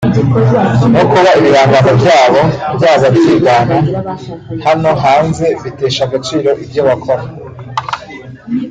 no kuba ibihangano byabo byaba byiganwa hano hanze bitesha agaciro ibyo bakora